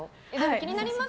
気になります